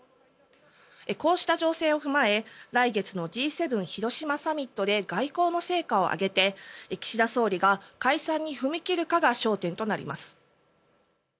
こうした情勢を踏まえ来月のＧ７広島サミットで外交の成果を挙げて岸田総理が解散に踏み切るかが焦点となります。